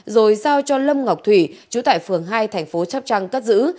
rồi giao cho lâm ngọc thủy chú tại phường hai thành phố châu trăng cắt giữ